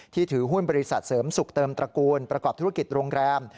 ถือหุ้นบริษัทเสริมสุขเติมตระกูลประกอบธุรกิจโรงแรม